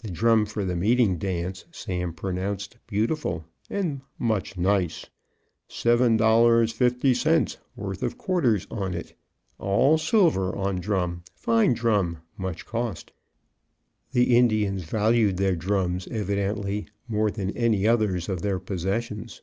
The drum for the meeting dance, Sam pronounced beautiful, and "much nice" "seven dollars fifty cents worth of quarters on it all silver on drum fine drum much cost." The Indians valued their drums, evidently, more than any other of their possessions.